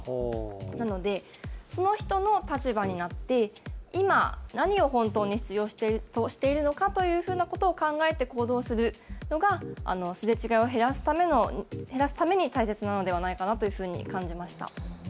なのでその人の立場になって今、何を本当に必要としているのかということを考えて行動するのがすれ違いを減らすために大切なのではないかと感じました。